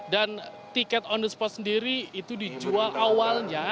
dan tiket on the spot sendiri itu dijual awalnya